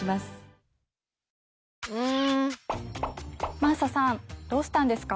真麻さんどうしたんですか？